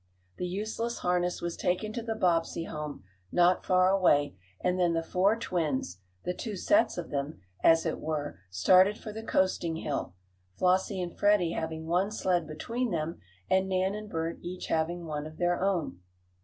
The useless harness was taken to the Bobbsey home, not far away, and then the four twins the two sets of them, as it were started for the coasting hill, Flossie and Freddie having one sled between them, and Nan and Bert each having one of their own.